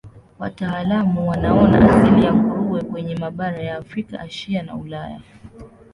Wataalamu wanaona asili ya nguruwe kwenye mabara ya Afrika, Asia na Ulaya.